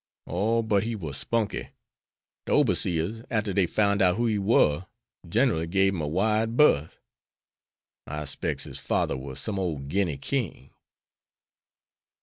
Oh, but he war spunky. De oberseers, arter dey foun' out who he war, gin'rally gabe him a wide birth. I specs his father war some ole Guinea king."